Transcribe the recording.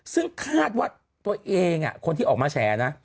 ซึ่งคาดว่าตัวเองคนที่ออกมาแฉนะ